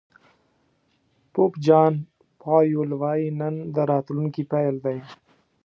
پوپ جان پایول وایي نن د راتلونکي پيل دی.